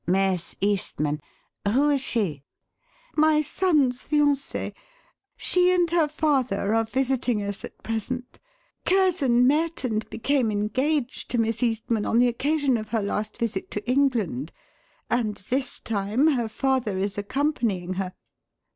"Miss Eastman? Who is she?" "My son's fiancée. She and her father are visiting us at present. Curzon met and became engaged to Miss Eastman on the occasion of her last visit to England, and this time her father is accompanying her."